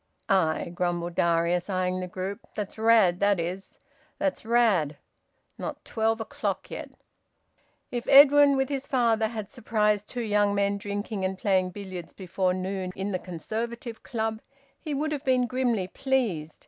"Aye!" grumbled Darius, eyeing the group. "That's Rad, that is! That's Rad! Not twelve o'clock yet!" If Edwin with his father had surprised two young men drinking and playing billiards before noon in the Conservative Club, he would have been grimly pleased.